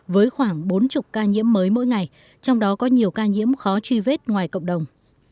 với khoảng bốn mươi ca nhiễm mới mỗi ngày trong đó có nhiều ca nhiễm khó truy vết ngoài cộng đồng